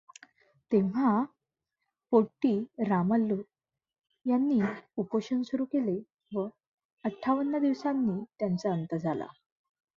तेव्हा पोट्टी रामल्लू यांनी उपोषण सुरू केले व अठ्ठावन्न दिवसांनी त्यांचा अंत झाला.